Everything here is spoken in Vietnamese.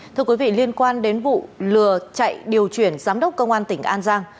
thưa quý vị liên quan đến vụ lừa chạy điều chuyển giám đốc công an tỉnh an giang